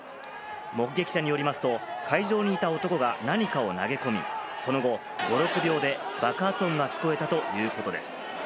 目撃者によりますと、会場にいた男が何かを投げ込み、その後５６秒で爆発音が聞こえたということです。